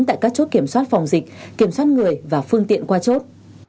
tại các chốt kiểm soát phòng dịch kiểm soát người và phương tiện qua chốt